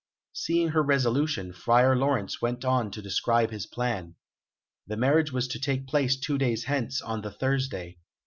Seeing her resolution, Friar Laurence went on to describe his plan. The marriage was to take place two days hence, on the Thursday.